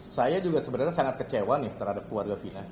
saya juga sebenarnya sangat kecewa nih terhadap keluarga fina